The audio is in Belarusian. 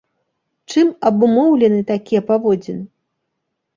Чым абумоўлены такія паводзіны?